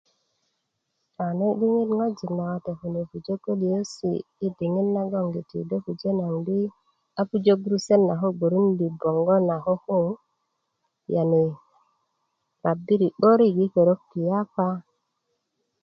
A nene diŋit ŋwajik nawate kune pujö goliyesi' yi diŋit naŋ do pujö naŋ di koko a pujö gurusutöt naŋ koko gbörundi boŋgo naŋ koko yani rabiri 'börik yi perok ti yapa